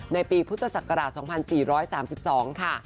ในปีพุทธศักราช๒๔๓๒ค่ะ